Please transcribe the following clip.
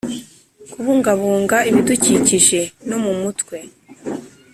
kubungabunga ibidukikije no mu mutwe